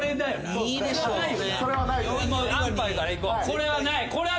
これはないよな。